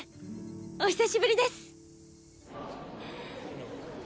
お久しぶりです。